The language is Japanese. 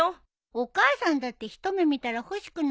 お母さんだって一目見たら欲しくなるよ。